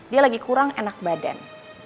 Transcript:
dia lagi kurang enak badan